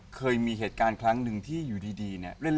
เคยมีเหตุการณ์ครั้งหนึ่งที่อยู่ดีเนี่ย